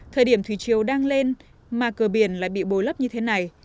thời điểm thủy triều đang lên mà cờ biển lại bị bồi lấp như thế này